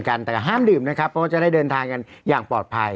แต่ห้ามดื่มนะครับเพราะว่าจะได้เดินทางกันอย่างปลอดภัย